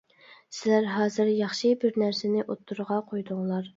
سىلەر ھازىر ياخشى بىرنەرسىنى ئوتتۇرىغا قويدۇڭلار.